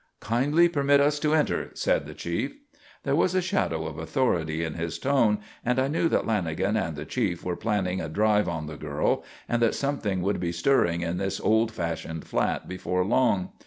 "Kindly permit us to enter," said the chief. There was a shadow of authority in his tone, and I knew that Lanagan and the chief were planning a drive on the girl and that something would be stirring in this old fashioned flat before long.